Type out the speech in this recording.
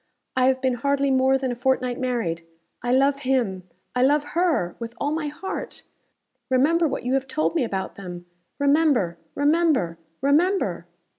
I have been hardly more than a fortnight married. I love him I love her with all my heart. Remember what you have told me about them. Remember! remember! remember!"